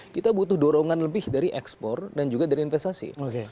kita butuh dorongan lebih dari ekspor dan juga dari investasi